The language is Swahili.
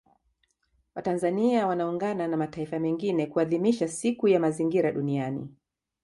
Watanzania wanaungana na mataifa mengine kuadhimisha Siku ya Mazingira Duniani